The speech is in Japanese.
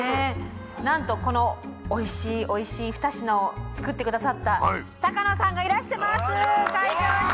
なんとこのおいしいおいしい二品をつくって下さった坂野さんがいらしてます会場に。